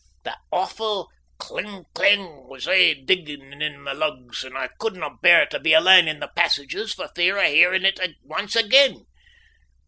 That awfu' cling clang was aye dingin' in my lugs, and I couldna bear to be alane in the passages for fear o' hearin' it ance again.